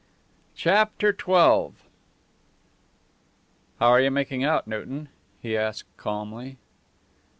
CHAPTER XII "How are you making out, Newton?" he asked, calmly.